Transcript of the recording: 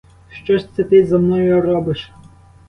Що ж це ти зо мною робиш?